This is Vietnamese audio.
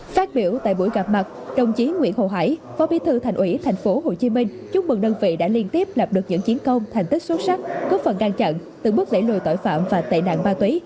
phát biểu tại buổi gặp mặt đồng chí nguyễn hồ hải phó bí thư thành ủy tp hcm chúc mừng đơn vị đã liên tiếp lập được những chiến công thành tích xuất sắc góp phần ngăn chặn từng bước đẩy lùi tội phạm và tệ nạn ma túy